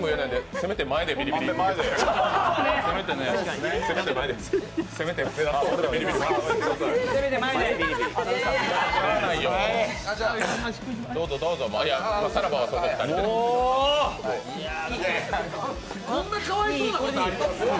せめて前でビリビリこんなかわいそうなことあります？